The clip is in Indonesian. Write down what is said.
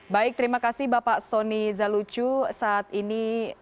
baik terima kasih bapak soni zalucu saat ini